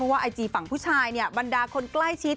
เพราะว่าไอจีฟังผู้ชายบรรดาคนใกล้ชิด